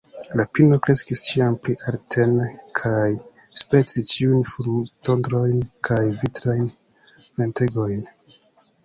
La pino kreskis ĉiam pli alten kaj spertis ĉiujn fulmotondrojn kaj vintrajn ventegojn.